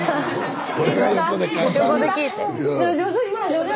上手？